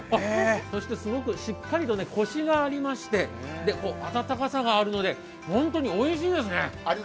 そして、すごくしっかりとコシがありまして、温かさがあるので、ホントにおいしいですね。